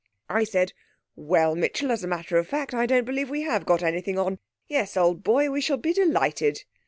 I said, 'Well, Mitchell, as a matter of fact I don't believe we have got anything on. Yes, old boy, we shall be delighted.'